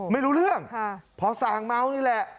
ไม่รู้เรื่องพอส่างเมานี่แหละ